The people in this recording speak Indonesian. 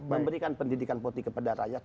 memberikan pendidikan politik kepada rakyat